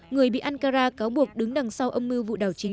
người bị ankara cáo buộc đứng đằng sau âm mưu vụ đảo chính